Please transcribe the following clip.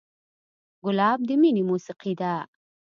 ګلاب د مینې موسیقي ده.